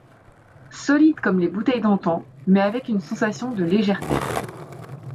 Solide comme les bouteilles d'antan, mais avec une sensation de légèreté.